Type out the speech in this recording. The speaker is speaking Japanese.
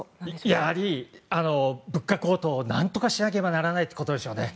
やはり物価高騰を何とかしなければならないということでしょうね。